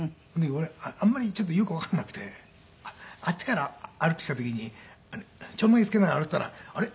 俺あんまりちょっとよくわかんなくてあっちから歩いてきた時にちょんまげつけながら歩いていたらあれ？